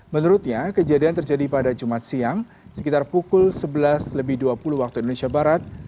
menurutnya kejadian terjadi pada jumat siang sekitar pukul sebelas lebih dua puluh waktu indonesia barat